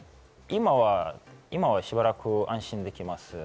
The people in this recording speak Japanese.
今は、しばらく安心できます。